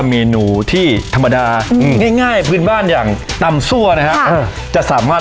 พี่โน่นุ่มนี่เรียกว่าตัวพ่อมากจริงแหละครับ